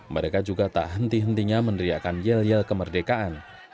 mereka juga tak henti hentinya meneriakan yel yel kemerdekaan